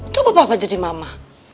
coba papa jadi mama